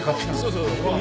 そうそう。